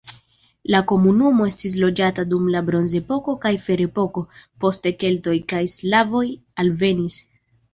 La komunumo estis loĝata dum la bronzepoko kaj ferepoko, poste keltoj kaj slavoj alvenis.